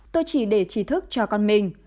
tôi chỉ để trí thức cho con mình